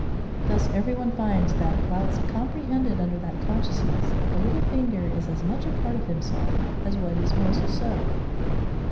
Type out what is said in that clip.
Thus every one finds that, whilst comprehended under that consciousness, the little finger is as much a part of himself as what is most so.